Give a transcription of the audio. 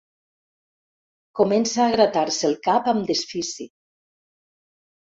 Comença a gratar-se el cap amb desfici.